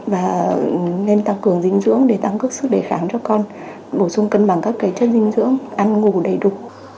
và nên tăng cường dinh dưỡng để tăng cước sức đề kháng cho con bổ sung cân bằng các chất dinh dưỡng ăn ngủ đầy đủ